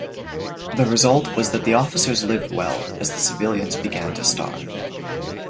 The result was that the officers lived well, as the civilians began to starve.